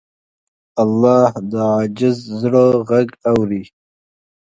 الله د عاجز زړه غږ اوري.